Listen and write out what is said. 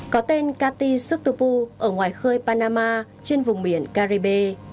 có tên kati sutupu ở ngoài khơi panama trên vùng biển caribe